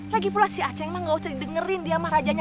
lagi pula si a ceng mah gak usah didengerin dia mah rajanya